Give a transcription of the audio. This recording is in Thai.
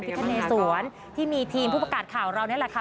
ทะเลสวนที่มีทีมผู้ประกาศข่าวเรานี่แหละค่ะ